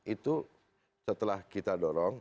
itu setelah kita dorong